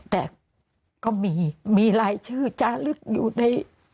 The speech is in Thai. แต่ก็มีมีรายชื่อจาลึกอยู่ใน